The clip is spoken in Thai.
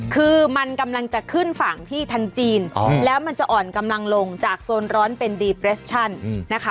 คือมันกำลังจะขึ้นฝั่งที่ทันจีนแล้วมันจะอ่อนกำลังลงจากโซนร้อนเป็นดีเปรชั่นนะคะ